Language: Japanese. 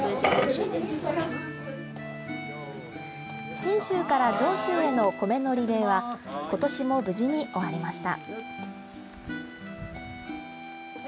信州から上州への米のリレーは今年も無事に終わりました。